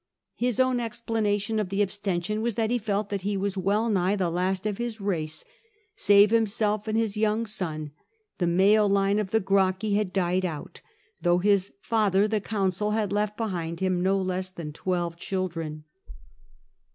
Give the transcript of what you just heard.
His own explanation of the abstention was that he felt that he was well nigh the last of his race : save himself and his young son, the male line of the Gracchi had died out, though his father, the consul, had left behind him no less than twelve children.